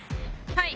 はい。